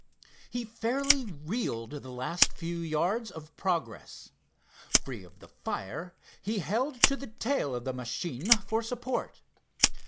He fairly reeled the last few yards of progress. Free of the fire, he held to the tail of the machine for support.